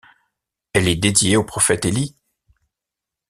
Elle est dédiée au prophète Élie.